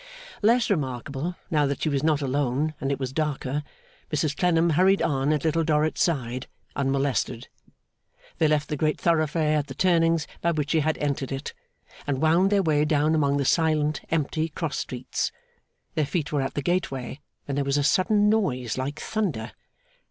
Less remarkable, now that she was not alone and it was darker, Mrs Clennam hurried on at Little Dorrit's side, unmolested. They left the great thoroughfare at the turning by which she had entered it, and wound their way down among the silent, empty, cross streets. Their feet were at the gateway, when there was a sudden noise like thunder.